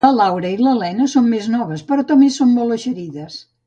La Laura i l'Elena són més noves però també són molt eixerides